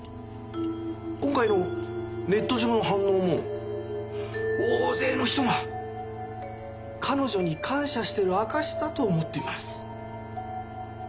今回のネット上の反応も大勢の人が彼女に感謝している証しだと思っています。